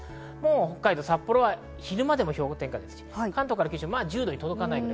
北海道・札幌は昼間でも氷点下、関東から九州は１０度に届かないくらい。